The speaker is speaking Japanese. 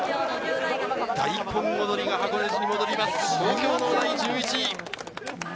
大根踊りが箱根路に戻ります、東京農大１１位。